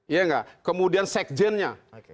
iya nggak kemudian secgennya